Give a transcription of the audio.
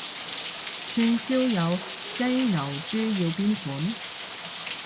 串燒有雞牛豬要邊款？